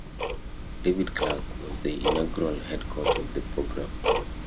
David Clark was the inaugural head coach of the program.